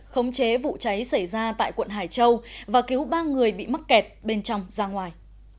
khống chế vụ cháy xảy ra tại quận hải châu và cứu ba người bị mắc kẹt bên trong ra ngoài